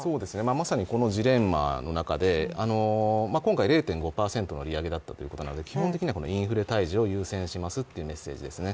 まさにこのジレンマの中で今回０．５％の利上げだったということなので基本的にはこのインフレ退治を優先しますというメッセージですね